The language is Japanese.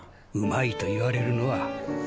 うまいと言われるのは。